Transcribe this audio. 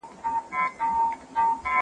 په جرگه كي سوه خندا د موږكانو